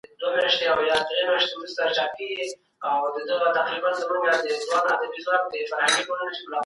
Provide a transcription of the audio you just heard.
ایا له غوسې ځان ژغورل د زړه سکون زیاتوي؟